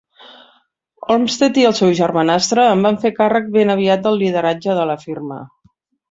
Olmsted i el seu germanastre en van fer càrrec ben aviat del lideratge de la firma.